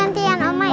nanti gantian oma ya